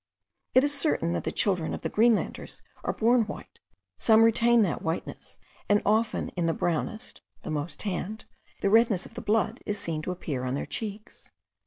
It is certain that the children of the Greenlanders are born white; some retain that whiteness; and often in the brownest (the most tanned) the redness of the blood is seen to appear on their cheeks.